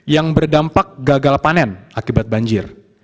yang berdampak gagal panen akibat banjir